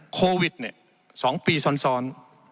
โควิด๒ปีซ้อน